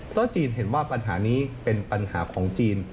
เพราะจีนเห็นว่าปัญหานี้เป็นปัญหาของจีน